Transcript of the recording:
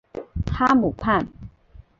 哈姆畔。